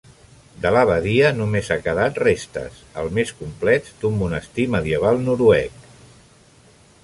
De l'abadia només ha quedat restes, els més complets d'un monestir medieval noruec.